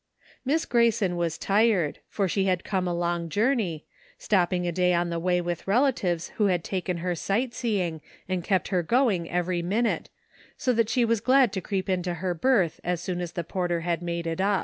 Miss Grayson was tired, for she had come a long journey, stopping a day on the way with relatives who had taken her sight seeing and kept her going every minute, so that she was glad to creep into her berth as soon as the porter had made it up.